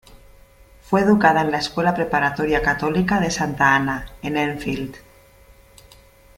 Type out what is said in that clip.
Fue educada en la escuela preparatoria católica de Santa Ana, en Enfield.